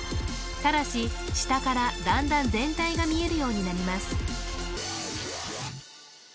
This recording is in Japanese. ただし下からだんだん全体が見えるようになります